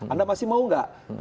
anda masih mau nggak